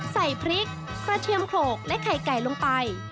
ใส่พริกกระเทียมโขลกและไข่ไก่ลงไป